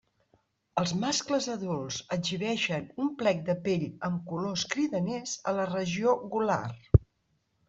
Els mascles adults exhibeixen un plec de pell amb colors cridaners a la regió gular.